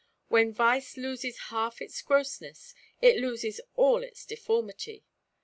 When vice loses half its grossness, it loses all its deformity.